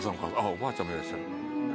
おばあちゃんもいらっしゃる。